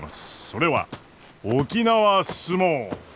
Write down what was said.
それは沖縄角力！